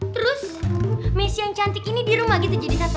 terus messi yang cantik ini di rumah gitu jadi nato